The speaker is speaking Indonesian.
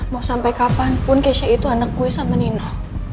mau sampai kapanpun kece itu anak gue sama nino